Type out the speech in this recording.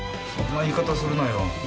そんな言い方するなよ。